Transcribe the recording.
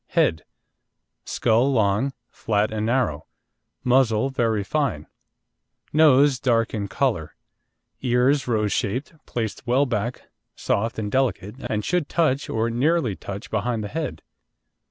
HEAD Skull long, flat and narrow. Muzzle very fine. Nose dark in colour. Ears rose shaped, placed well back, soft and delicate, and should touch or nearly touch behind the head.